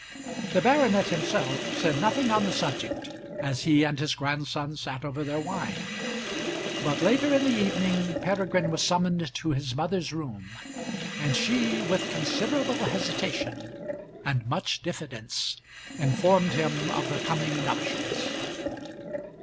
The baronet himself said nothing on the subject as he and his grandson sat over their wine; but later in the evening Peregrine was summoned to his mother's room, and she, with considerable hesitation and much diffidence, informed him of the coming nuptials.